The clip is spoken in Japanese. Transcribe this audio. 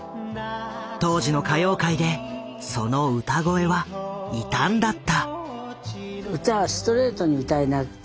当時の歌謡界でその歌声は異端だった。